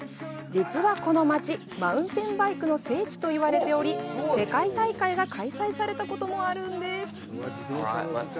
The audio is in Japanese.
実はこの街マウンテンバイクの聖地といわれており世界大会が開催されたこともあるんです。